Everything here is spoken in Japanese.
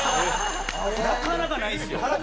なかなかないですよ。